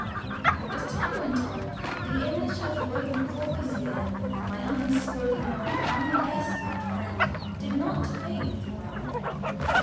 As time went on, the image of Eugen Courvoisier, my unspoken of, unguessed at, friend, did not fade from my memory.